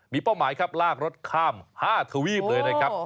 มีเป้าหมายครับลากรถข้าม๕ทวีปเลยนะครับ